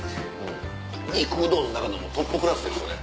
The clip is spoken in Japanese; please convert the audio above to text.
肉うどんの中でもトップクラスですよね